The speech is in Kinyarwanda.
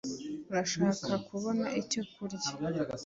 urashaka kubona icyo kurya